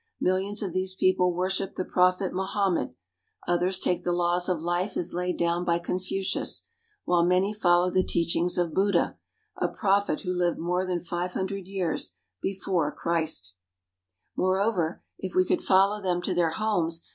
Millions of these people worship the prophet Mohammed ; others take the laws of life as laid down by Confucius; while many follow the teachings of Buddha, a prophet who lived more than five hundred years before Christ. ON A BIG OCEAN STEAMER 1/ Moreover, if we could follow them to their homes